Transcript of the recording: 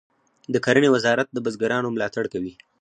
د کرنې وزارت د بزګرانو ملاتړ کوي